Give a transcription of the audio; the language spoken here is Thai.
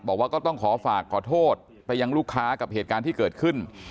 บอกว่าก็ต้องขอฝากขอโทษไปยังลูกค้ากับเหตุการณ์ที่เกิดขึ้น